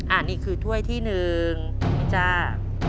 อันนี้คือถ้วยที่๑จ้า